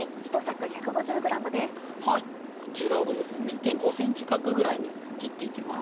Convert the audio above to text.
こちらを２．５ｃｍ角ぐらいに切っていきます。